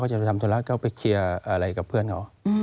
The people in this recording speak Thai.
จะไปทำธุระก็ไปเคลียร์อะไรกับเพื่อนเขา